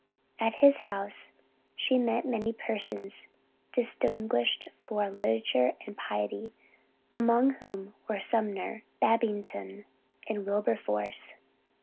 '" At his house she met many persons, distinguished for literature and piety, among whom were Sumner, Babington and Wilberforce.